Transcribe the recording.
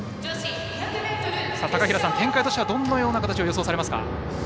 展開としてはどんな形を予想されますか？